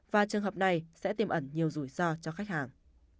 và trường hợp này sẽ tiềm ẩn nhiều rủi ro cho khách hàng